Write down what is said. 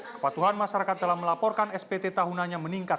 kepatuhan masyarakat dalam melaporkan spt tahunannya meningkat